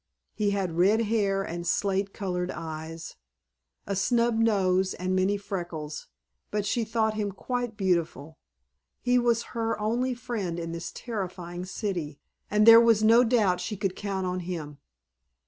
He had red hair and slate colored eyes, a snub nose and many freckles, but she thought him quite beautiful; he was her only friend in this terrifying city, and there was no doubt she could count on him.